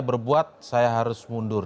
berbuat saya harus mundur